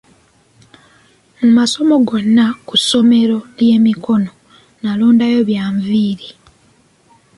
Mu masomo gonna ku ssomero ly'emikono, nalonda bya nviiri.